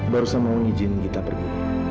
barusan mau ngijinin kita pergi